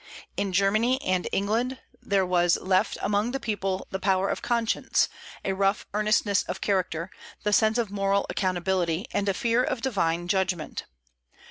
In Germany and England there was left among the people the power of conscience, a rough earnestness of character, the sense of moral accountability, and a fear of divine judgment.